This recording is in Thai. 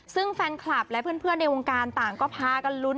ซึ่งแฟนคลับและเพื่อนในวงการต่างก็พากันลุ้น